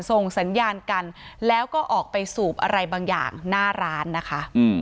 ส่งสัญญาณกันแล้วก็ออกไปสูบอะไรบางอย่างหน้าร้านนะคะ